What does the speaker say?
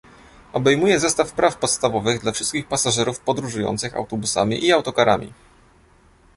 obejmuje zestaw praw podstawowych dla wszystkich pasażerów podróżujących autobusami i autokarami